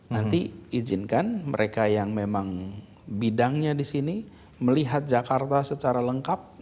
nanti izinkan mereka yang memang bidangnya di sini melihat jakarta secara lengkap